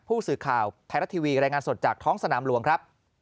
ผู้สื่อข่าวไทยรัฐทีวีรายงานสดจากท้องสนามหลวงครับ